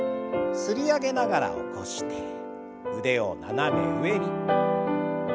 すり上げながら起こして腕を斜め上に。